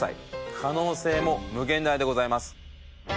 可能性も無限大でございます。